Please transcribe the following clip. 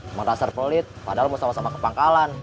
emang dasar pelit padahal mau sama sama ke pangkalan